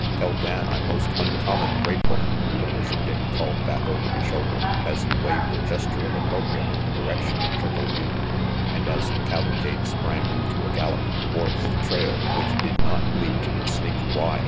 " Tell Dan Merrill I'm most uncommon grateful," Dervisher Dick called back over his shoulder, as he waved a gesture of opprobrium in the direction of Triple Butte, and as the cavalcade sprang into a gallop towards the trail which did not lead to the Snaky Y.